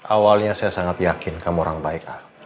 awalnya saya sangat yakin kamu orang baik